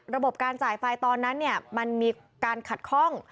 ระบบการจ่ายไฟตอนนั้นมันมีการขัดข้อง